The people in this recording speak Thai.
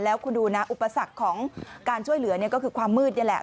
แล้วคุณดูนะอุปสรรคของการช่วยเหลือก็คือความมืดนี่แหละ